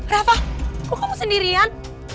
rafa kok kamu sendirian